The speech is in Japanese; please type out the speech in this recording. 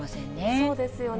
そうですよね。